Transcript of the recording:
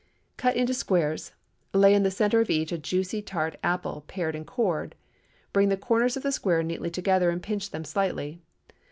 Cut into squares, and lay in the centre of each a juicy, tart apple, pared and cored; bring the corners of the square neatly together and pinch them slightly.